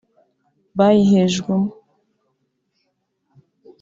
bayihejwemo